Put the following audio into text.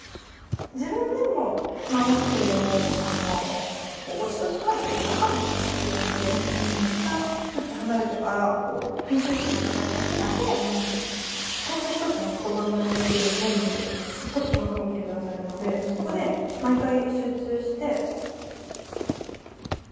自分でも直すけれどもずっと書いてると分かんなくなってくるのでいったんふっと離れてから編集者の方に送って一つ一つの言葉のレベルで全部すごい細かく見てくださるのでそこで毎回集中して書く。